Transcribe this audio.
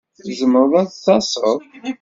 Tzemreḍ ad taseḍ?